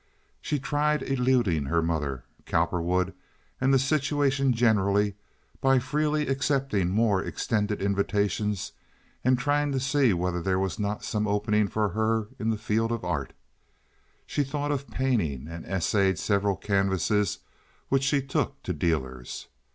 She tried eluding her mother, Cowperwood, and the situation generally by freely accepting more extended invitations and by trying to see whether there was not some opening for her in the field of art. She thought of painting and essayed several canvases which she took to dealers.